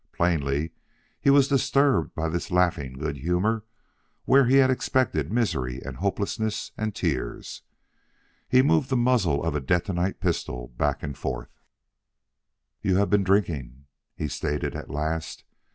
Plainly he was disturbed by this laughing good humor where he had expected misery and hopelessness and tears. He moved the muzzle of a detonite pistol back and forth. "You haff been drinking!" he stated at last.